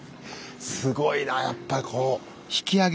すごいなやっぱりこう。